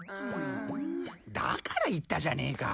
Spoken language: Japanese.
だから言ったじゃねえか。